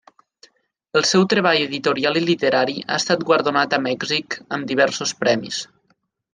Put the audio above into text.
El seu treball editorial i literari ha estat guardonat a Mèxic amb diversos premis.